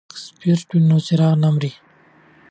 که سپیرټ وي نو څراغ نه مري.